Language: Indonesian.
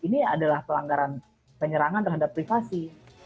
dan ini adalah pelanggaran yang diperlukan untuk menghadapi privasi